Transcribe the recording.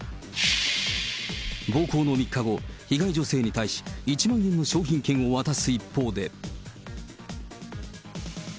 暴行の３日後、被害女性に対し、１万円の商品券を渡す一方で。